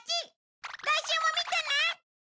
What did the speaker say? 来週も見てね！